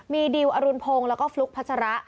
มีดิวอรุณพงศ์แล้วก็ฟลุ๊กพัชระ